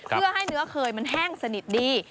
เพื่อให้เนื้อเคยมันแห้งสนิทดี